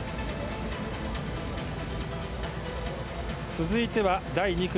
続いては第２組。